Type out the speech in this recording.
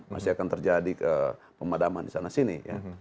masih akan terjadi ke pemadaman di sana sini